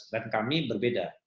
dan kami berbeda